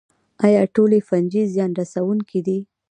ایا ټولې فنجي زیان رسوونکې دي